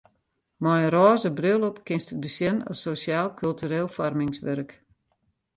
Mei in rôze bril op kinst it besjen as sosjaal-kultureel foarmingswurk.